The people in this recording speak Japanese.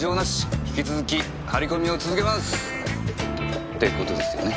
引き続き張り込みを続けます！って事ですよね？